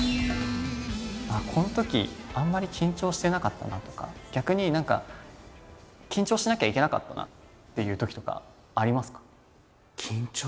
このときあんまり緊張してなかったなとか逆に何か緊張しなきゃいけなかったなっていうときとかありますか？